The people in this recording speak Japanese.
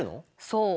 そう。